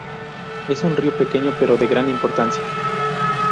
Es un río pequeño pero de gran importancia.